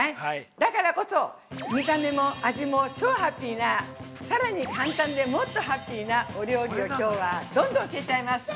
だからこそ、見た目も味も超ハッピーなさらに簡単で、もっとハッピーなお料理をきょうはどんどん教えちゃいます。